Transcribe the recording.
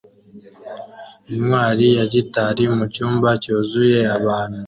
"Intwari ya Guitar" mucyumba cyuzuye abantu